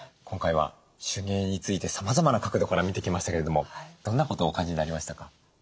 今回は手芸についてさまざまな角度から見てきましたけれどもどんなことをお感じになりましたか？